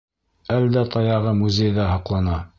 Әлдә таяғы музейҙа һаҡлана.